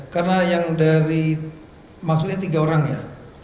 karena yang dari maksudnya tiga orang ya